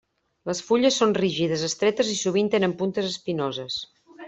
Les fulles són rígides, estretes i sovint tenen puntes espinoses.